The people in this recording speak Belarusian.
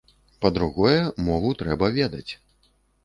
Па-другое, мову трэба ведаць.